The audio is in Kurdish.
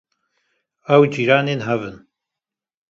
Ew cîranên hev in